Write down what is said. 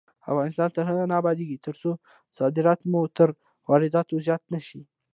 افغانستان تر هغو نه ابادیږي، ترڅو صادرات مو تر وارداتو زیات نشي.